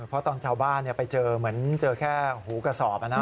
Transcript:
เพราะตอนชาวบ้านไปเจอเหมือนเจอแค่หูกระสอบ